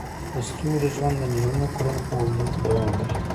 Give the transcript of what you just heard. د ستوري ژوند د میلیونونو کلونو په اوږدو کې دوام لري.